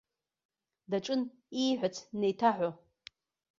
Даҿын ииҳәац неиҭаҳәо.